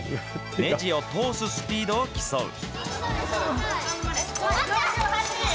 ねじを通すスピードを競う。